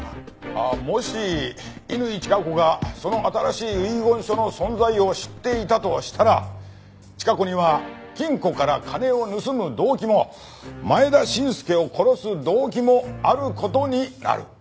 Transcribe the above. もし乾チカ子がその新しい遺言書の存在を知っていたとしたらチカ子には金庫から金を盗む動機も前田伸介を殺す動機もある事になる。